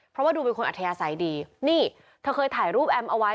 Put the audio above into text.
เพราะว่าดูเป็นคนอัธยาศัยดีนี่เธอเคยถ่ายรูปแอมเอาไว้